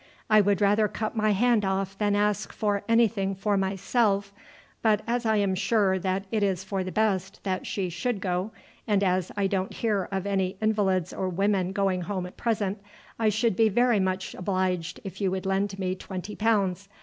I would rather cut my hand off than ask for any thing for myself, but as I am sure that it is for the best that she should go, and as I don't hear of any invalids or women going home at present, I should be very much obliged if you would lend me twenty pounds.